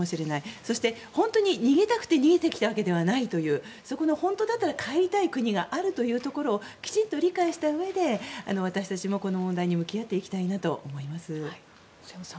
そして本当に逃げたくて逃げてきたわけではないというそこの本当だったら帰りたい国があるということをきちんと理解したうえで私たちもこの問題に向き合っていきたいなと思います。